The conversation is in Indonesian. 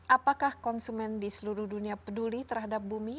apakah konsumen di seluruh dunia peduli terhadap bumi